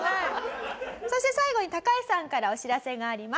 そして最後に橋さんからお知らせがあります。